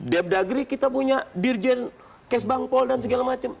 diap dagri kita punya dirjen kesbangpol dan segala macam